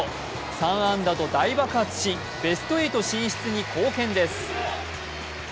３安打と大爆発し、ベスト８進出に貢献です。